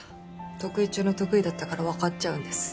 得意中の得意だったからわかっちゃうんです。